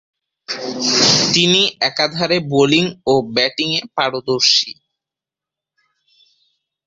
তিনি একাধারে বোলিং ও ব্যাটিংয়ে পারদর্শী।